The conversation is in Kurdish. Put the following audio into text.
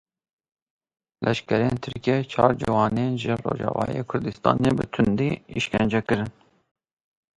Leşkerên Tirkiyê çar ciwanên ji Rojavayê Kurdistanê bi tundî îşkencekirin.